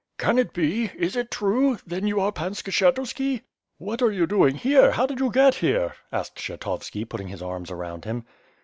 "Can it be! Is it true! then you are Pan Skshetuski?" "What are you doing here, how did you get here?" asked Kshetovski, putting his arms around him.